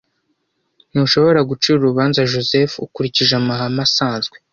Ntushobora gucira urubanza Joseph ukurikije amahame asanzwe.